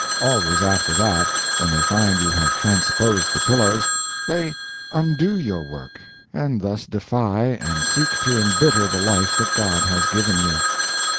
Always after that, when they find you have transposed the pillows, they undo your work, and thus defy and seek to embitter the life that God has given you.